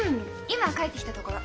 今帰ってきたところ。